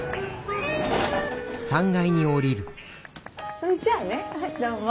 それじゃあねどうも。